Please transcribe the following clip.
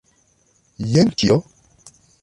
Jen kio?